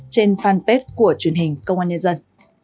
trên fanpage của truyền hình công an nhân dân